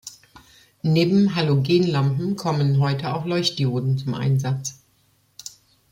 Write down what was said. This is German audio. Neben Halogenlampen kommen heute auch Leuchtdioden zum Einsatz.